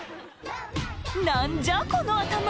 何じゃこの頭！